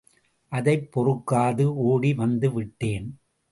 அதைப் பொறுக்காது ஓடி வந்துவிட்டேன்.